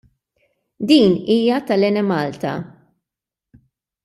Din hija tal-Enemalta.